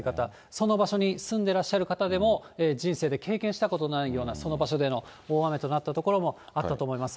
その場所に住んでらっしゃる方でも人生で経験したことのないような、その場所での、大雨となった場所もあったと思います。